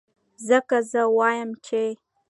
ځکه زۀ وائم چې